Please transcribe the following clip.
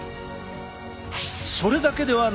それだけではない！